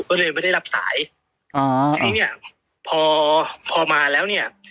ก็เลยไม่ได้รับสายอ๋อพอมาแล้วเนี่ย